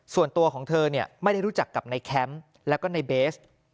ส่วนตัวของเธอไม่ได้รู้จักกับในแคมป์แล้วก็ในเบส